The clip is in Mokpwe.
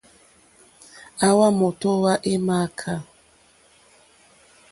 Àwà mòtówá é !mááká.